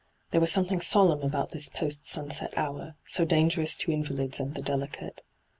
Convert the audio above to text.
There was something solemn about this post sunset hour, so dangerous to invalids and the delicate.